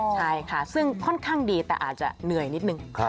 ใช่ค่ะซึ่งค่อนข้างดีแต่อาจจะเหนื่อยนิดนึง